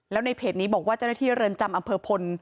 แล้วในเพจนี้บอกว่าเจ้าหน้าที่เรือนจำอำเภอพล